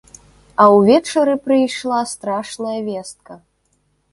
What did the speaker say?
А ўвечары прыйшла страшная вестка.